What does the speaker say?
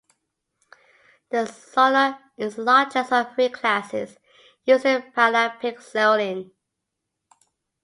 The Sonar is the largest of three classes used in Paralympic sailing.